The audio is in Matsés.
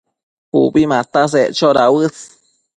Ubi mataseccho dauës